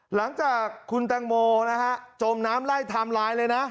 หลังจากคุณแตงโมนะฮะจมน้ำไล่ไทม์ไลน์เลยนะ